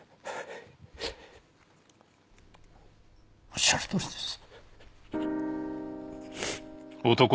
おっしゃるとおりです。